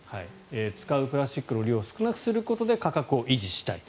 使うプラスチックの量を少なくすることで価格を維持したい。